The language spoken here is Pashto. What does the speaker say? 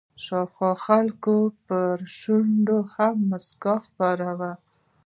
شاوخوا خلکو پر شونډو هم مسکا خپره وه.